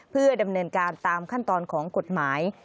เพื่อดำเนินการตามขั้นตอนของกฎหมาย